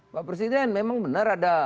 pak presiden memang benar ada